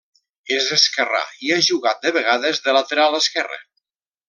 És esquerrà i ha jugat de vegades de lateral esquerre.